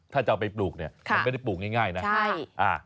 ถ้าจะเอาไปปลูกมันก็ได้ปลูกง่ายนะ